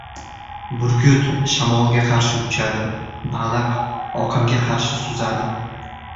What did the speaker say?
Burgut shamolga qarshi uchadi, baliq oqimga qarshi suzadi.